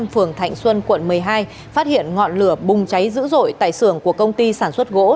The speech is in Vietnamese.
phường thạnh xuân quận một mươi hai phát hiện ngọn lửa bùng cháy dữ dội tại xưởng của công ty sản xuất gỗ